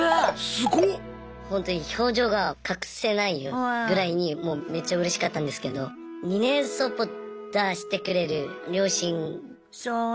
ほんとに表情が隠せないぐらいにもうめっちゃうれしかったんですけど２年サポート出してくれる両親。